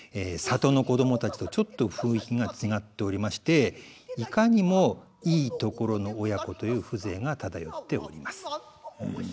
里の子供たちとちょっと雰囲気が違っておりましていかにもいいところの親子という風情が漂っております。